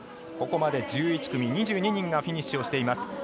ここまで１１組、２２人がフィニッシュしています。